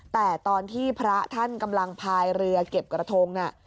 แต่ตอนที่พระท่านกำลังพายเรือเก็บกระทงน่ะ